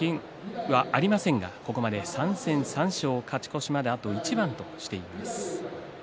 まだ関取経験はありませんが３戦３勝、勝ち越しまであと一番としています。